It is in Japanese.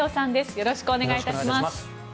よろしくお願いします。